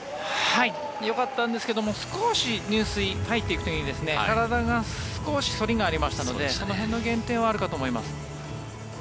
よかったんですけども少し入水、入っていく時に体が少し反りがありましたのでその辺の減点はあると思います。